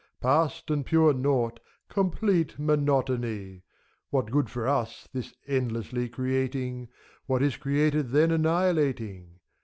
Past and pure Naught, complete monotony! What good for us, this endlessly creating T — What is created then annihilating!